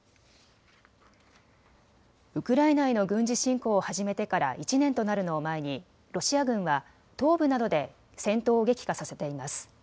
ウクライナへの軍事侵攻を始めてから１年となるのを前にロシア軍は東部などで戦闘を激化させています。